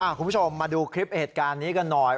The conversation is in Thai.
คุณผู้ชมมาดูคลิปเหตุการณ์นี้กันหน่อย